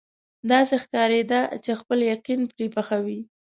داسې ښکارېده چې خپل یقین پرې پخوي.